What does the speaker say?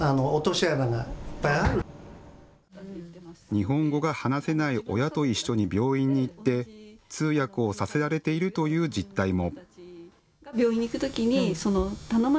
日本語が話せない親と一緒に病院に行って通訳をさせられているという実態も。